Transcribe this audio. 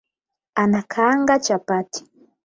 Anakaanga chapati